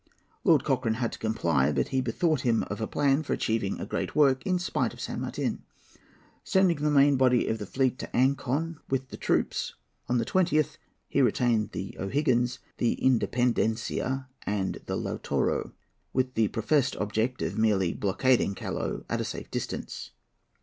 Lord Cochrane had to comply; but he bethought him of a plan for achieving a great work, in spite of San Martin. Sending the main body of his fleet to Ancon with the troops, no the 20th, he retained the O'Higgins, the Independencia, and the Lautaro, with the professed object of merely blockading Callao at a safe distance.